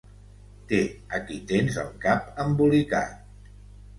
Té, aquí tens el cap embolicat.